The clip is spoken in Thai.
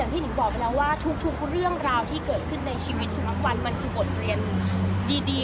ที่หิงบอกไปแล้วว่าทุกเรื่องราวที่เกิดขึ้นในชีวิตทุกวันมันคือบทเรียนดี